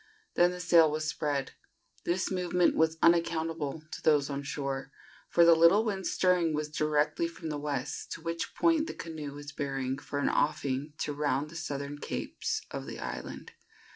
Then the sail was spread. This movement was unaccountable to those on shore, for the little wind stirring was directly from the west, to which point the canoe was bearing for an offing to round the southern capes of the island.